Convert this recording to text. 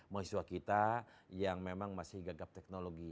mahasiswa kita yang memang masih gagap teknologi